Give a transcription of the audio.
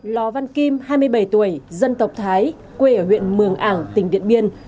lò văn kim hai mươi bảy tuổi dân tộc thái quê ở huyện mường ảng tỉnh điện biên